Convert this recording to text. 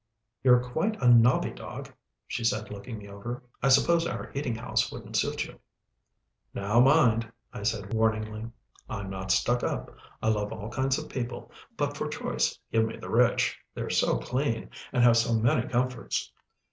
"You're quite a nobby dog," she said looking me over. "I suppose our eating house wouldn't suit you." "Now mind," I said warningly, "I'm not stuck up. I love all kinds of people, but for choice give me the rich. They're so clean, and have so many comforts."